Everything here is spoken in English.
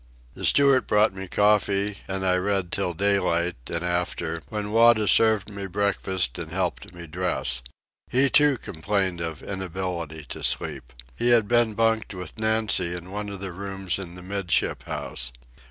The steward brought me coffee, and I read till daylight and after, when Wada served me breakfast and helped me dress. He, too, complained of inability to sleep. He had been bunked with Nancy in one of the rooms in the 'midship house.